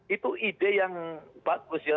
itu ide yang bagus ya